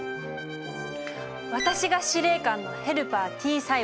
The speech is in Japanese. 私が司令官のヘルパーＴ細胞だ。